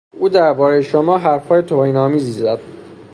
او دربارهی شما حرفهای توهین آمیزی زد.